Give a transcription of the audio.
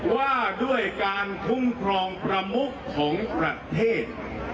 ว่าด้วยการคุ้มครองประมุขของประเทศ